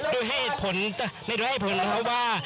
โดยให้ผลนะครับว่า